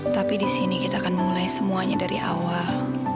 tapi disini kita akan mulai semuanya dari awal